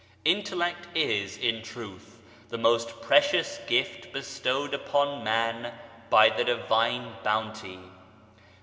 Intellect is, in truth, the most precious gift bestowed upon man by the Divine Bounty.